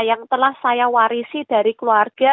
yang telah saya warisi dari keluarga